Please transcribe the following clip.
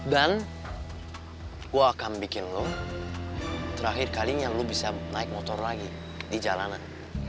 gue akan bikin lo terakhir kalinya lu bisa naik motor lagi di jalanan